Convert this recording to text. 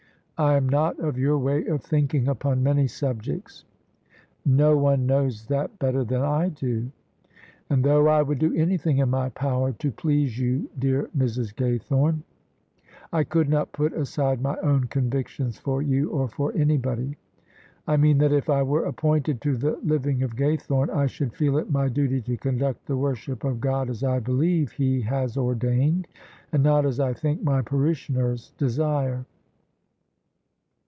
" I am not of your way of thinking upon many subjects." " No one knows that better than I do." " And though I would do anything in my power to please you, dear Mrs. Gaythome, I could not put aside my own convictions for you or for anybody. I mean that if I were appointed to the living of Gaythome, I should feel it my duty to conduct the worship of God as I believe He has ordained, and not as I think my parishioners desire.